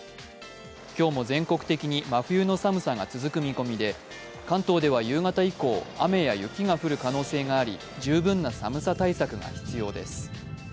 今日も全国的に真冬の寒さが続く見込みで関東では夕方以降、雨や雪が降る可能性があり、十分な寒さ対策が必要です。